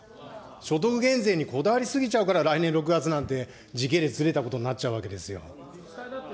所得減税にこだわり過ぎちゃうから、来年６月なんて時系列ずれたことになっちゃうわけですよ。